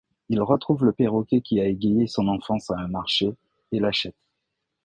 Il retrouve le perroquet qui a égayé son enfance à un marché et l'achète.